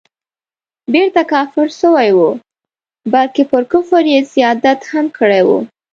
بیرته کافر سوی وو بلکه پر کفر یې زیادت هم کړی وو.